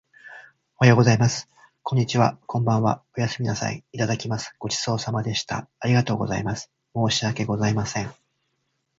おはようございます。こんにちは。こんばんは。おやすみなさい。いただきます。ごちそうさまでした。ありがとうございます。申し訳ございません。